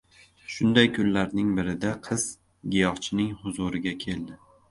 Shunday kunlarning birida qiz giyohchining huzuriga keldi.